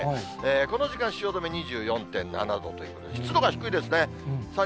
この時間、汐留２４．７度ということで、湿度が低いですね。